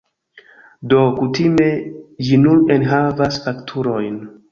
Do, kutime ĝi nur enhavas fakturojn.